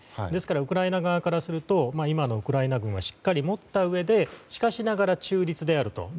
ですからウクライナ側からすると今のウクライナ軍はしっかり持ったうえでしかしながら中立であると。